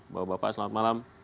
bapak bapak selamat malam